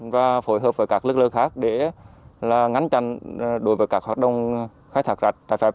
và phối hợp với các lực lượng khác để ngắn chặn đối với các hoạt động khai thác cát trải phép